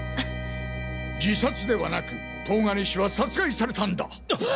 自殺ではなく東金氏は殺害されたんだ！